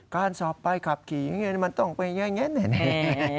การสอบไปขับขี่มันต้องเป็นอย่างนี้แน่